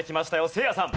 せいやさん。